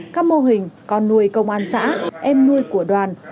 các mô hình con nuôi công an xã em nuôi của đoàn